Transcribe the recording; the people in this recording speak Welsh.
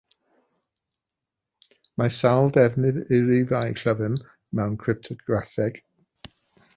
Mae sawl defnydd i rifau llyfn mewn cryptograffeg.